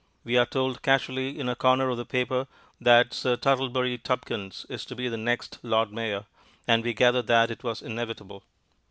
We are told casually in a corner of the paper that Sir Tuttlebury Tupkins is to be the next Lord Mayor, and we gather that it was inevitable.